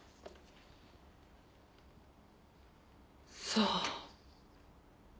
そう。